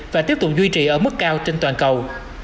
và tiếp tục duy trì ở mức cao trên toàn cầu